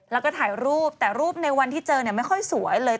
แล้วก็ถ่ายรูปแต่รูปในวันที่เจอเนี่ยไม่ค่อยสวยเลย